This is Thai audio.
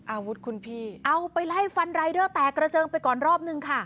อาวุธคุณพี่เอาไปไล่ฟันรายเดอร์แตกกระเจิงไปก่อนรอบนึงค่ะ